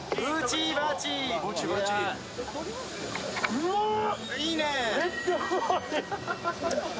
うまーっ！